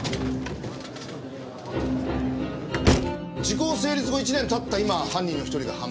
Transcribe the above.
時効成立後１年経った今犯人の一人が判明した。